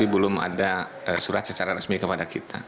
belum ada surat secara resmi kepada kita